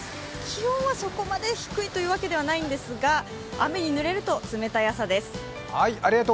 気温はそこまで低いというわけではないんですが、雨にぬれると、冷たい朝です。